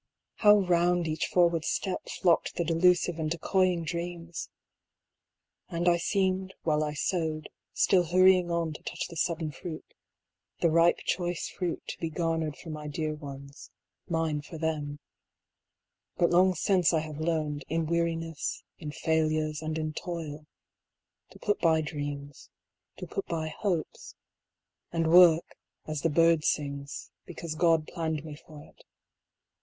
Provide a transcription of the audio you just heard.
How round each forward step flocked the delusive and decoying dreams ! and I seemed, while I sowed, still hurrying on AN INVENTOR. 125 to touch the sudden fruit, the ripe choice fruit to be garnered for my dear ones, mine for them: but long since I have learned, in weariness, in failures, and in toil, to put by dreams, to put by hopes, and work, as the bird sings, because God planned me for it.